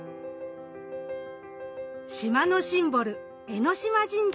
島のシンボル江島神社。